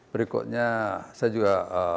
berikutnya saya juga